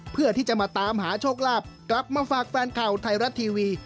เพื่อที่จะมาตามหาโชคลาภกลับมาฝากแฟนข่าวไทยรัฐทีวี